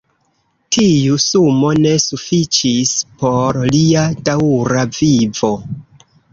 Tiu sumo ne sufiĉis por lia daŭra vivo.